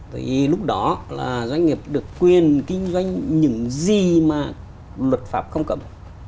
thì lúc đó là doanh nghiệp được quyền kinh doanh những gì mà luật pháp không cầm